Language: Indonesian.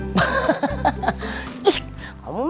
ma masih melek aja jam segini